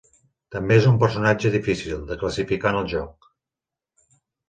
També és un personatge difícil de classificar en el joc.